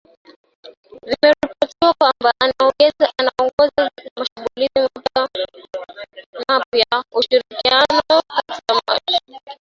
vimeripoti kwamba anaongoza mashambulizi mapya, ushirikiano kati ya Rwanda na Jamuhuri ya Kidemokrasia ya Kongo dhidi ya waasi